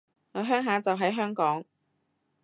我鄉下就喺香港